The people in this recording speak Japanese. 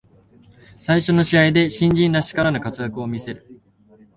最初の試合で新人らしからぬ活躍を見せる